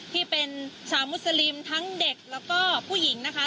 ที่เป็นชาวมุสลิมทั้งเด็กแล้วก็ผู้หญิงนะคะ